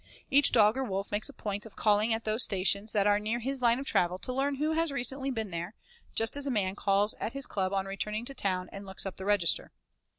Each dog or wolf makes a point of calling at those stations that are near his line of travel to learn who has recently been there, just as a man calls at his club on returning to town and looks up the register.